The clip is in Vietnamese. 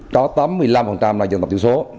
có tám mươi năm là dân tộc thiểu số